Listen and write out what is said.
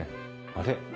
あれ？